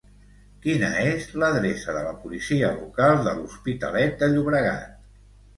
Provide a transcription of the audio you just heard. Quina és l'adreça de la policia local de l'Hospitalet de Llobregat?